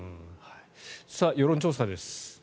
世論調査です。